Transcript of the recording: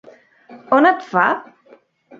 On et fa!?